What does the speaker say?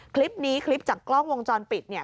คลิปจากกล้องวงจรปิดเนี่ย